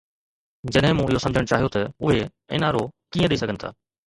جڏهن مون اهو سمجهڻ چاهيو ته اهي اين آر او ڪيئن ڏئي سگهن ٿا.